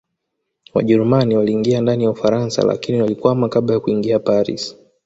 Wajerumani waliingia ndani ya Ufaransa lakini walikwama kabla ya kuingia Paris